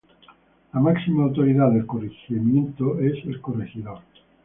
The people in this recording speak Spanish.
La máxima autoridad del corregimiento es el corregidor.